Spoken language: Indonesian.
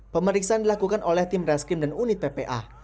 pemeriksaan dilakukan oleh tim reskrim dan unit ppa